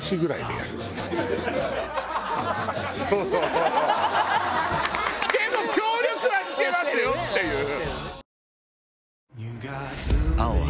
でも協力はしてますよっていう。